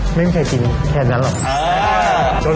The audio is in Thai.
ไม่เคยกินแค่นั้นหรอก